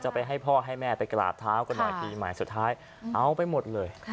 ไปให้พ่อให้แม่ไปกราบเท้ากันหน่อยปีใหม่สุดท้ายเอาไปหมดเลย